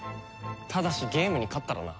ただしゲームに勝ったらな。